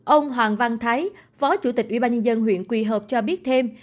ông hoàng văn thái phó chủ tịch ubnd huyện quỳ hợp cho biết thêm